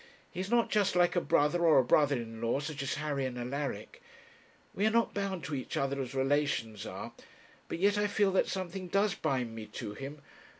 He is not just like a brother or a brother in law, such as Harry and Alaric; we are not bound to each other as relations are; but yet I feel that something does bind me to him.